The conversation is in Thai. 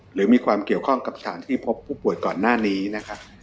หรือมีความเกี่ยวข้องกับสถานที่พบผู้ป่วยก่อนหน้านี้นะครับ